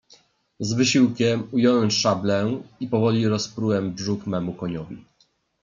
"Z wysiłkiem ująłem szablę i powoli rozprułem brzuch memu koniowi."